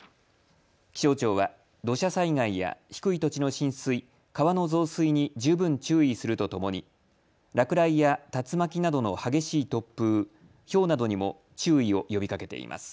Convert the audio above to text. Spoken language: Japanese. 気象庁は土砂災害や低い土地の浸水、川の増水に十分注意するとともに落雷や竜巻などの激しい突風、ひょうなどにも注意を呼びかけています。